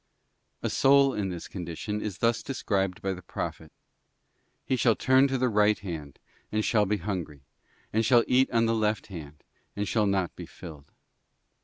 A soul in this condition is thus described by the prophet, 'He shall turn to the right hand, and shall be hungry, and shall eat on the left hand, and shall not be filled.